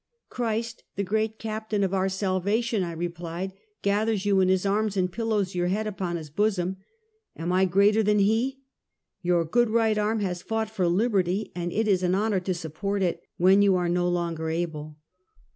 "Christ, the great Captain of our Salvation," I re plied, " gathers you in his arms and pillows your head u]Don his bosom. Am I greater than he? Your good right arm has fought for liberty, and it is an honor to support it, when you are no longer able."